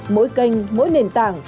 mỗi kênh mỗi nền tảng